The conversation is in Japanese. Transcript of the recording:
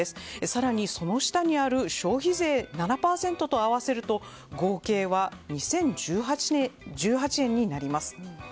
更にその下にある消費税７％と合わせると合計は２０１８円になります。